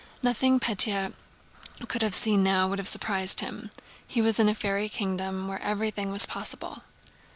Nothing Pétya could have seen now would have surprised him. He was in a fairy kingdom where everything was possible.